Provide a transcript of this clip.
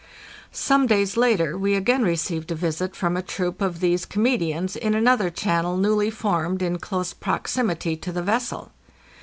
Some days later we again received a visit from a troupe of these comedians in another channel newly formed in close prox imity to the vessel.